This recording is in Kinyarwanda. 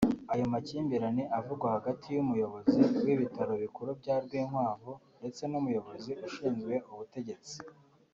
Ayo makimbirane avugwa hagati y’umuyobozi w’ibitaro bikuru bya Rwinkwavu ndetse n’umuyobozi ushinzwe ubutegetsi